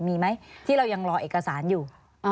มีไหมที่เรายังรอเอกสารอยู่